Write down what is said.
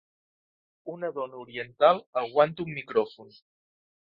Un dona oriental aguanta un micròfon.